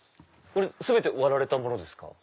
全て割られたものですか？